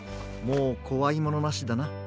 もうこわいものなしだな。